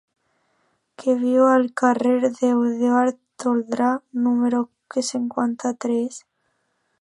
Qui viu al carrer d'Eduard Toldrà número cinquanta-tres?